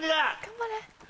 頑張れ。